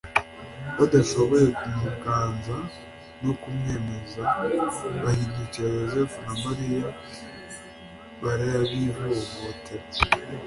Badashoboye kumuganza no kumwemeza, bahindukirira Yosefu na Mariya barabivovotera,